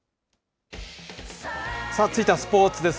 さあ、続いてはスポーツです。